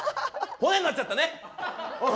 骨になっちゃったね。